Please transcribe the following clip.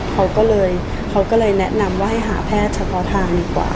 เขาก็เลยเขาก็เลยแนะนำว่าให้หาแพทย์เฉพาะทางดีกว่า